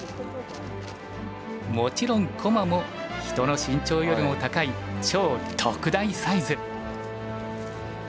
もちろん駒も人の身長よりも高い超特大サイズ。